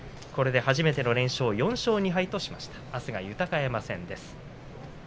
初めての連勝、４勝２敗としました初の豊山戦です。